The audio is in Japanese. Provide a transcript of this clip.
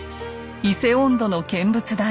「伊勢音頭」の見物代